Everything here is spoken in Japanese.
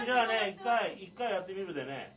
１回１回やってみるでね。